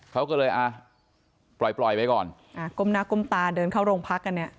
เขาก็เลยอ่ะปล่อยปล่อยไปก่อนอ่าก้มหน้าก้มตาเดินเข้าโรงพักกันเนี่ย